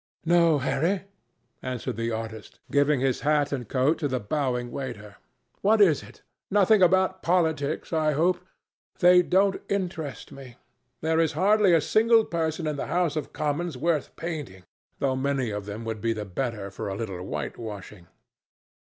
"No, Harry," answered the artist, giving his hat and coat to the bowing waiter. "What is it? Nothing about politics, I hope! They don't interest me. There is hardly a single person in the House of Commons worth painting, though many of them would be the better for a little whitewashing."